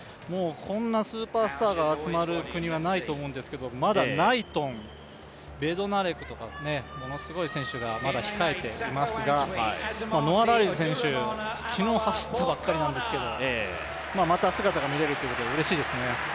こんなスーパースターが集まる国はないと思うんですけどまだナイトン、ベドナレクとか、ものすごい選手が控えてますがノア・ライルズ選手、昨日走ったばかりなんですが、また姿が見えるってことはうれしいですね。